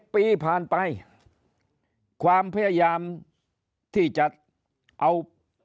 ปีผ่านไปความพยายามที่จะเอา